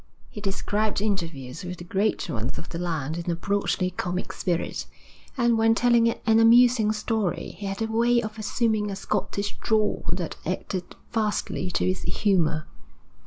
He described interviews with the great ones of the land in a broadly comic spirit; and, when telling an amusing story, he had a way of assuming a Scottish drawl that added vastly to its humour.